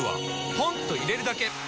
ポンと入れるだけ！